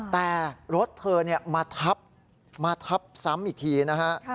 แต่รถเธอมาทับมาทับซ้ำอีกทีนะฮะ